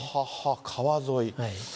川沿い。